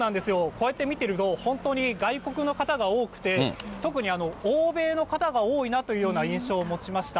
こうやって見てると、本当に外国の方が多くて、特に欧米の方が多いなというような印象を持ちました。